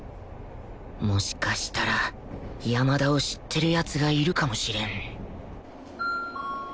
もしかしたら山田を知ってる奴がいるかもしれん